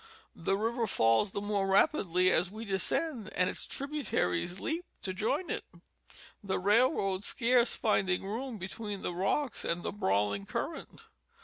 The river falls the more rapidly as we descend, and its tributaries leap to join it, the railroad scarce finding room between the rocks and the brawling current.